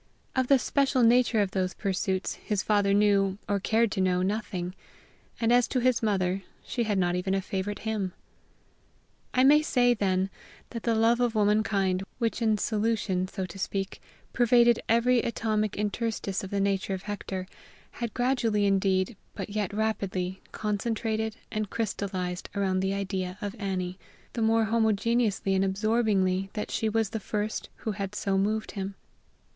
Of the special nature of those pursuits his father knew, or cared to know, nothing; and as to his mother, she had not even a favorite hymn. I may say, then, that the love of womankind, which in solution, so to speak, pervaded every atomic interstice of the nature of Hector, had gradually, indeed, but yet rapidly, concentrated and crystallized around the idea of Annie the more homogeneously and absorbingly that she was the first who had so moved him.